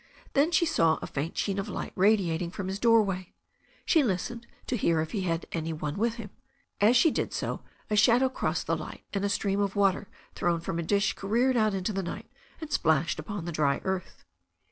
Then she saw a faint sheen of light radiating from his doorway. She listened to hear if he had any one with him. As she did so a shadow crossed the light, and a stream of water thrown from a dish careered out into the night and splashed upon the dry earth.